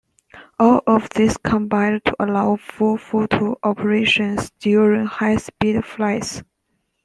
All of this combined to allow full photo operations during high speed flights.